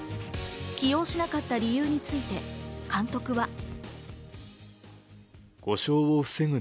起用しなかった理由について監督は。